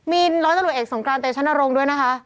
มีร้อยตำรวจเอกสงกรานเตชนรงค์ด้วยนะคะ